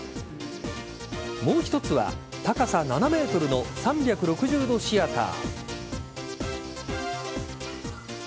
もう一つは高さ７ｍの３６０度シアター。